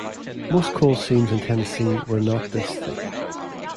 Most coal seams in Tennessee were not this thick.